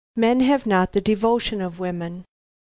Men have not the devotion of women."